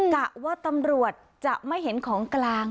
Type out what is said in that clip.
กะว่าตำรวจจะไม่เห็นของกลาง